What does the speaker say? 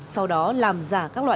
sau đó làm giả các loại